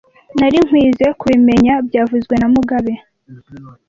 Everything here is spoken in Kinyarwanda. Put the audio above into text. Nari nkwizoe kubimenya byavuzwe na mugabe